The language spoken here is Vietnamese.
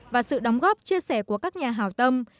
và sự đóng góp chia sẻ của các nhà hào tâm